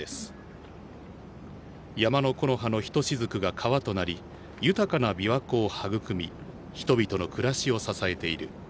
山の木の葉のひとしずくが川となり豊かなびわ湖を育み人びとの暮らしを支えている。